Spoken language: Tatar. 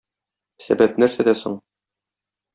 Сәбәп нәрсәдә соң?